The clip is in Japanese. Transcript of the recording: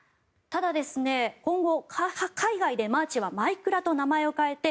ただ今後、海外でマーチはマイクラと名前を変えて